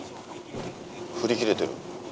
振り切れてる。